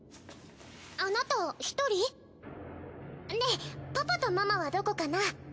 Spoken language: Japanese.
あなた１人？ねぇパパとママはどこかな？